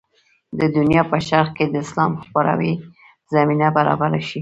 د دنیا په شرق کې د اسلام خپراوي زمینه برابره شي.